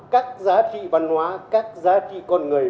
các giá trị văn hóa các giá trị con người